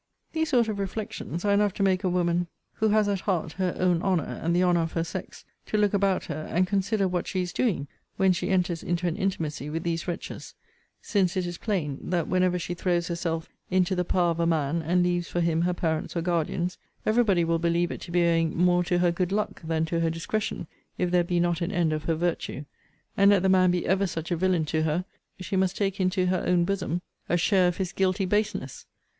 These sort of reflections are enough to make a woman, who has at heart her own honour and the honour of her sex, to look about her, and consider what she is doing when she enters into an intimacy with these wretches; since it is plain, that whenever she throws herself into the power of a man, and leaves for him her parents or guardians, every body will believe it to be owing more to her good luck than to her discretion if there be not an end of her virtue: and let the man be ever such a villain to her, she must take into her own bosom a share of his guilty baseness.